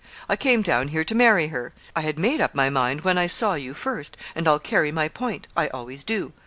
I came down here to marry her. I had made up my mind when I saw you first and I'll carry my point; I always do.